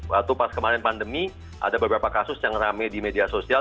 waktu pas kemarin pandemi ada beberapa kasus yang rame di media sosial